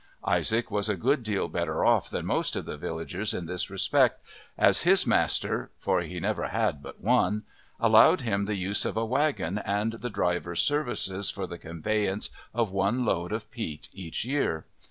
Isaac was a good deal better off than most of the villagers in this respect, as his master for he never had but one allowed him the use of a wagon and the driver's services for the conveyance of one load of peat each year.